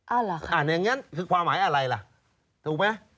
เหรอคะอ่านอย่างนั้นคือความหมายอะไรล่ะถูกไหม